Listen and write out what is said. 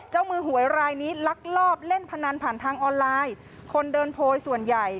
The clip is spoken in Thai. เจ้ามือหวยรายนี้ลักลอบเล่นพนันผ่านทางออนไลน์คนเดินโพยส่วนใหญ่